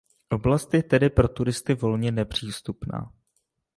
Oblast je tedy pro turisty volně nepřístupná.